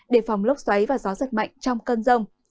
để phòng lốc xoáy và gió rất mạnh trong cơn rông